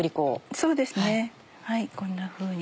そうですねこんなふうに。